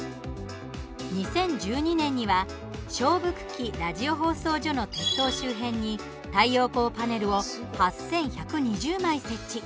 ２０１２年には菖蒲久喜ラジオ放送所の鉄塔周辺に太陽光パネルを８１２０枚設置。